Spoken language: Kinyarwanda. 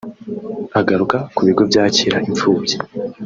Agaruka ku bigo byakira imfubyi